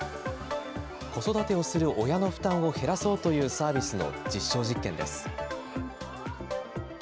子育てをする親の負担を減らそうというサービスの実証実験です。